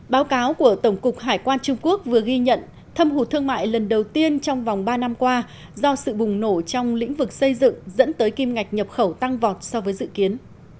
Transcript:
báo cáo của tổng cục hải quan trung quốc vừa ghi nhận thâm hụt thương mại lần đầu tiên trong vòng ba năm qua do sự bùng nổ trong lĩnh vực xây dựng dẫn tới kim ngạch nhập khẩu tăng vọt so với dự kiến